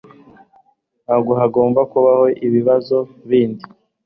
Ntabwo hagomba kubaho ibibazo bindi.